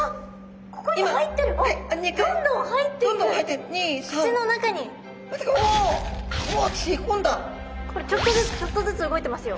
これちょっとずつちょっとずつ動いてますよ。